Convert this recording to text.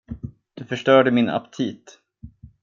Du förstörde min aptit.